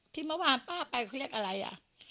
ที่เมื่อวานป้าไปเขาเรียกอะไรอ่ะ